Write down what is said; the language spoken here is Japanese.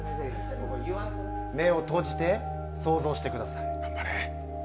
目を閉じて、想像してください。